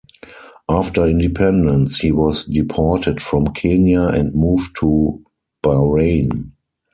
After independence, he was deported from Kenya and moved to Bahrain.